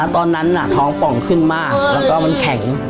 ตอนนั้นท้องป่องขึ้นมากแล้วก็มันแข็ง